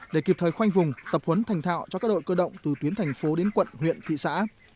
để kịp thời khoanh vùng tập huấn thành thạo cho các đội cơ động từ tuyến thành phố đến quận huyện thị xã